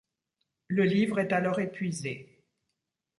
Le livre est alors épuisé.